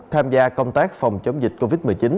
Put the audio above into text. tham gia công tác phòng chống dịch covid một mươi chín